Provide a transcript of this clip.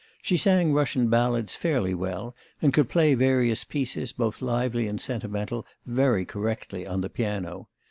She sang Russian ballads fairly well and could play various pieces, both lively and sentimental, very correctly on the piano.